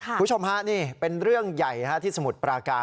คุณผู้ชมฮะนี่เป็นเรื่องใหญ่ที่สมุทรปราการ